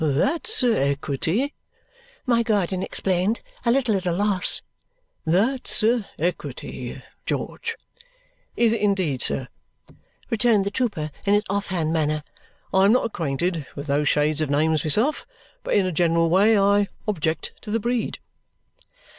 "That's equity," my guardian explained, a little at a loss; "that's equity, George." "Is it, indeed, sir?" returned the trooper in his off hand manner. "I am not acquainted with those shades of names myself, but in a general way I object to the breed."